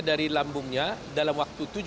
dari lambungnya dalam waktu